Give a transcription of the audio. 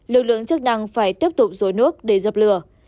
lực lượng chức năng phải tiếp tục rối nước để dập lửa